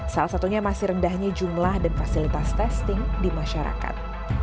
salah satunya masih rendahnya jumlah dan fasilitas testing di masyarakat